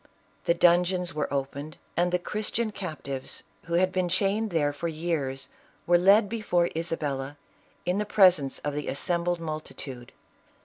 The dungeons were opened and the Christian cap tives, who had been chained there for years, were led before Isabella, in the presence of the assembled multi tude.